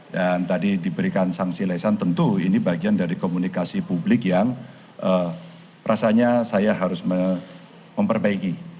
tadi diberikan sanksi lesan tentu ini bagian dari komunikasi publik yang rasanya saya harus memperbaiki